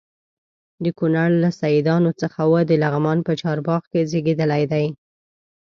د کونړ له سیدانو څخه و د لغمان په چارباغ کې زیږېدلی دی.